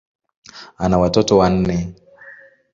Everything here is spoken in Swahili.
Ana watoto wanne.